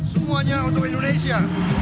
semuanya untuk indonesia